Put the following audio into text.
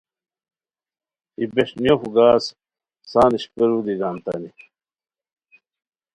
ای بیݰ نیوف گز سان اشپیرو دی گانیتائے